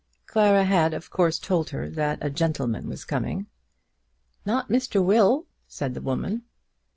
Clara had of course told her that a gentleman was coming. "Not Mr. Will?" said the woman.